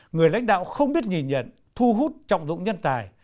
người lãnh đạo không biết nhìn nhận thu hút trọng dụng nhân tài